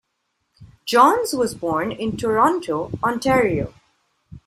Johns was born in Toronto, Ontario.